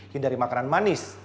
hindari makanan manis